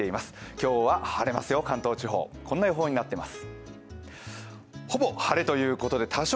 今日は晴れますよ、関東地方、こんな予報になっています。